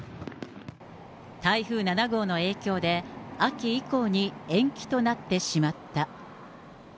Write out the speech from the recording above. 台風７号の影響で、秋以降に延期となってしまった。